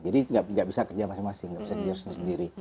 jadi nggak bisa kerja masing masing nggak bisa kerja sendiri